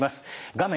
画面